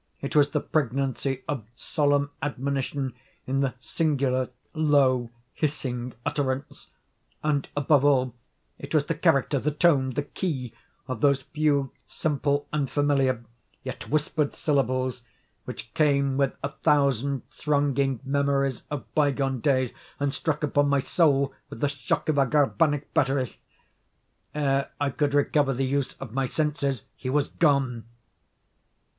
It was the pregnancy of solemn admonition in the singular, low, hissing utterance; and, above all, it was the character, the tone, the key, of those few, simple, and familiar, yet whispered syllables, which came with a thousand thronging memories of bygone days, and struck upon my soul with the shock of a galvanic battery. Ere I could recover the use of my senses he was gone.